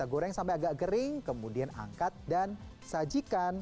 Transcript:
goreng sampai agak kering kemudian angkat dan sajikan